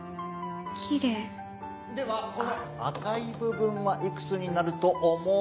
ではこの赤い部分はいくつになると思う？